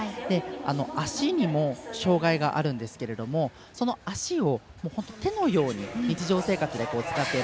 足にも障がいがあるんですがその足を手のように日常生活で使っている。